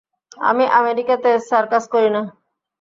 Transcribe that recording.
আমি আমেরিকা তে সার্কাস করি না!